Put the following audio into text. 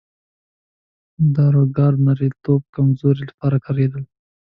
دا داروګان د نارینتوب کمزورۍ لپاره کارېدل.